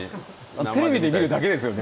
テレビで見るだけですよね